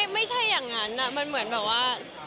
ไม่ใช่อย่างนั้นมันเหมือนแบบว่า